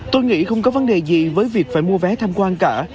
tôi nghĩ không có vấn đề gì với việc phải mua vé tham quan cả